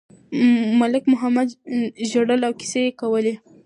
ملک محمد ژړل او کیسې یې کولې.